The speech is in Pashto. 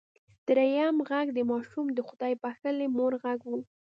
دريم غږ د ماشوم د خدای بښلې مور غږ و.